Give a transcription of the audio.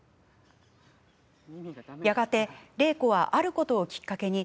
やがて、令子はあることをきっかけに